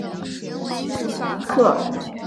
穆萨克。